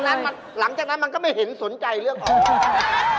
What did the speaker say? เพราะหลังจากนั้นมันก็ไม่เห็นสนใจเรื่องออก